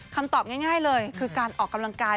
คำตอบง่ายเลยคือการออกกำลังกาย